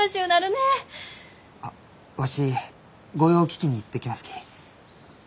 あわし御用聞きに行ってきますき。